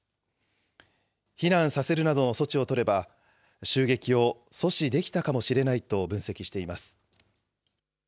避難させるなどの措置を取れば、襲撃を阻止できたかもしれないと、分析しています。